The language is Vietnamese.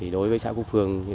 đối với xã cốc phương